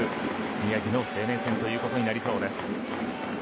宮城の生命線ということになりそうです。